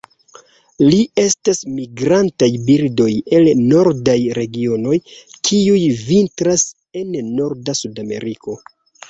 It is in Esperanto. Ili estas migrantaj birdoj el nordaj regionoj kiuj vintras en norda Sudameriko.